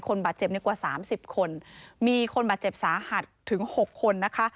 บาดเจ็บในกว่าสามสิบคนมีคนบาดเจ็บสาหัสถึง๖คนนะคะ